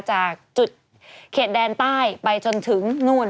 จากจุดเขตแดนใต้ไปจนถึงนู่น